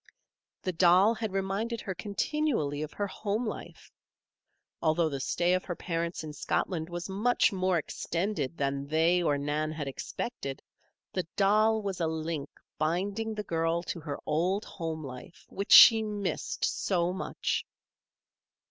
The doll had reminded her continually of her home life. Although the stay of her parents in Scotland was much more extended than they or Nan had expected, the doll was a link binding the girl to her old home life which she missed so much.